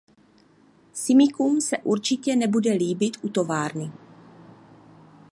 Simíkům se určitě nebude líbit u továrny.